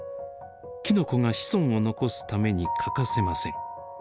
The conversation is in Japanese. きのこが子孫を残すために欠かせません。